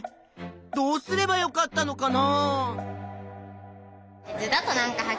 どうすればよかったのかな？